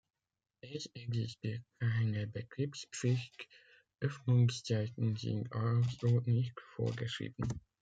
Es existiert keine Betriebspflicht, Öffnungszeiten sind also nicht vorgeschrieben.